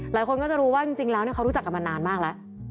หลายคนก็จะรู้ว่าจริงแล้วเขารู้จักกันมานานมากแล้ว